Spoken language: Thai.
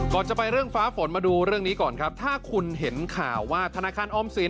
ก่อนจะไปเรื่องฟ้าฝนมาดูเรื่องนี้ก่อนครับถ้าคุณเห็นข่าวว่าธนาคารออมสิน